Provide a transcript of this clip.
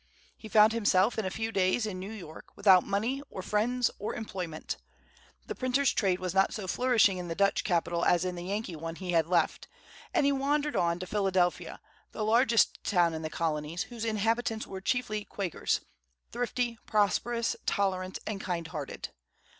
He found himself in a few days in New York, without money, or friends, or employment. The printers' trade was not so flourishing in the Dutch capital as in the Yankee one he had left, and he wandered on to Philadelphia, the largest town in the colonies, whose inhabitants were chiefly Quakers, thrifty, prosperous, tolerant, and kind hearted.